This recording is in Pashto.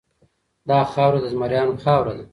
دا خاوره د زمریانو خاوره ده.